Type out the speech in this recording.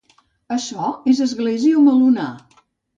Açò és església o melonar?